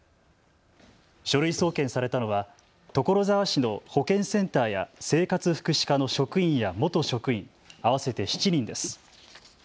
書類送検されたのは所沢市の保健センターや生活福祉課の職員や元職員合わせて７人です。